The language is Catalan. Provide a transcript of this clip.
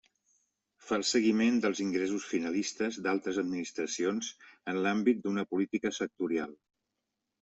Fa el seguiment dels ingressos finalistes d'altres administracions en l'àmbit d'una política sectorial.